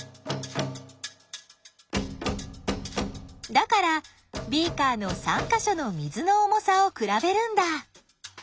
だからビーカーの３か所の水の重さを比べるんだ。